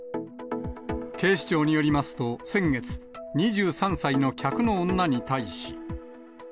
警視庁によりますと先月、２３歳の客の女に対し。